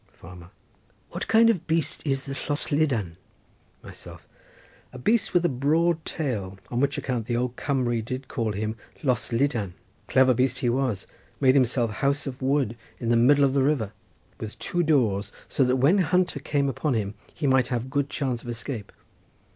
Farmer.—What kind of beast is the Llostlydan? Myself.—A beast with a broad tail, on which account the old Cumry did call him Llostlydan. Clever beast he was; made himself house of wood in middle of the river, with two doors, so that when hunter came upon him he might have good chance of escape.